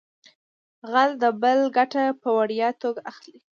غل د بل ګټه په وړیا توګه اخلي